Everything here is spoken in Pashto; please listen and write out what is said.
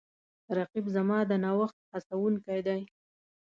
رقیب زما د نوښت هڅونکی دی